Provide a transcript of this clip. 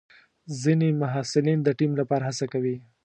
ځینې محصلین د ټیم لپاره هڅه کوي.